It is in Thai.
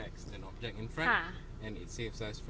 ค่ะ